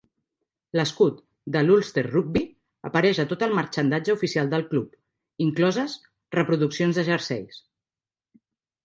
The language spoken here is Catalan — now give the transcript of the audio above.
L'escut de l'Ulster Rugby apareix a tot el marxandatge oficial del club, incloses reproduccions de jerseis .